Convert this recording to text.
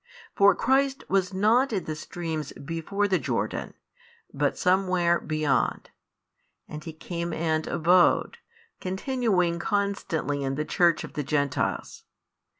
For Christ was not in the streams before the Jordan, but somewhere beyond; and He came and abode, continuing constantly in the Church of the Gentiles.